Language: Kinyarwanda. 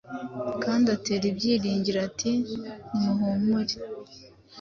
kandi atera ibyiringiro ati: Nimuhumure